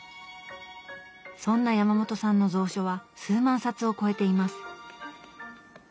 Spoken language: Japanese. そんな山本さんの蔵書は数万冊を超えています。